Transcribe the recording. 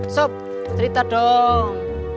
sup cerita dong